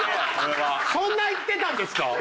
そんないってたんですか？